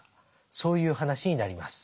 そういう話になります。